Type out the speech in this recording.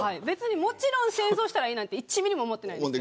もちろん戦争したらいいなんて１ミリも思ってないですよ。